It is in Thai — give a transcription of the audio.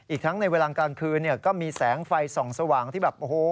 ทั้งในเวลากลางคืนเนี่ยก็มีแสงไฟส่องสว่างที่แบบโอ้โห